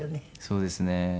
そうですね。